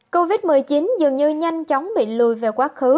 covid một mươi chín dường như nhanh chóng bị lùi về quá khứ